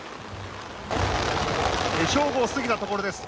正午を過ぎたところです。